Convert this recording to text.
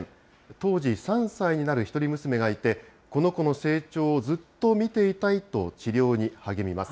当時３歳になる一人娘がいて、この子の成長をずっと見ていたいと、治療に励みます。